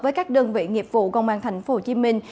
với các đơn vị nghiệp vụ công an thành phố hồ chí minh